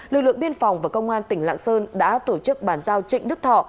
lực lượng biên phòng và công an tỉnh lạng sơn đã tổ chức bàn giao trịnh đức thọ